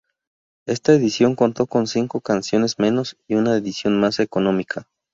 Esta edición contó con cinco canciones menos y una edición más económica.